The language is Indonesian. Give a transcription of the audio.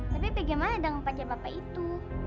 tapi bagaimana dengan pakai bapak itu